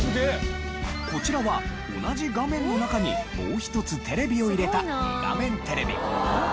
こちらは同じ画面の中にもう１つテレビを入れた２画面テレビ。